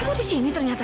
kamu di sini ternyata